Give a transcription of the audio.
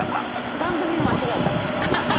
番組を間違えた。